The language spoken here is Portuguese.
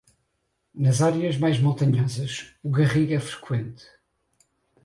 Nas áreas mais montanhosas, o garrigue é freqüente.